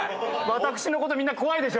私の事みんな怖いでしょ？